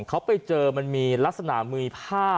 เขาไปเจอมันมีลักษณะมือผ้า